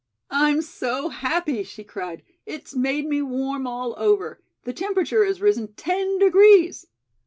"I'm so happy," she cried. "It's made me warm all over. The temperature has risen ten degrees."